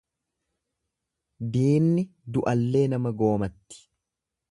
Diinni du'allee nama goomatti.